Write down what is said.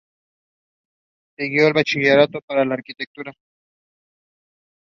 Later Geller distanced himself from the early performance due to its racial insensitivity.